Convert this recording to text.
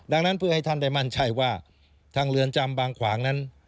ดังนั้นเพื่อให้ท่านได้มั่นใจว่าทางเรือนจำบางขวางนั้น